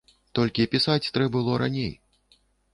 Толькі пісаць трэ было раней.